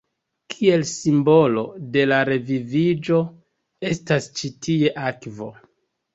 Kiel simbolo de la reviviĝo estas ĉi tie akvo.